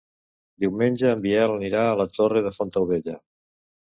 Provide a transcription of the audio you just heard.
Diumenge en Biel anirà a la Torre de Fontaubella.